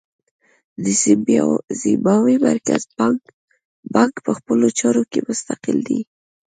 د زیمبابوې مرکزي بانک په خپلو چارو کې مستقل دی.